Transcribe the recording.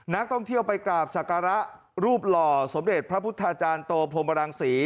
นักท่องเที่ยวไปกราบศักระรูปหล่อสมเด็จพระพุทธาจารย์โตพรมรังศรี